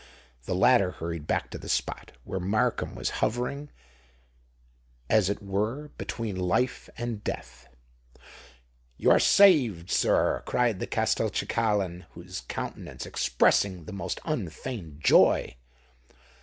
The latter hurried back to the spot where Markham was hovering as it were between life and death. "You are saved, sir!" cried the Castelcicalan his countenance expressing the most unfeigned joy.